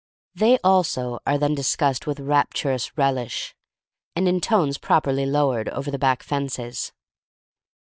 They also are then discussed with rapturous relish and in tones properly lowered, over the back fences.